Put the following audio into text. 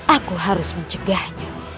aku harus mencegahnya